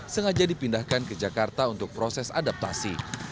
sengaja dipindahkan ke jakarta untuk proses adaptasi